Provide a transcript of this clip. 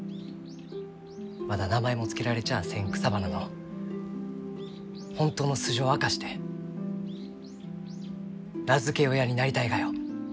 まだ名前も付けられちゃあせん草花の本当の素性を明かして名付け親になりたいがよ。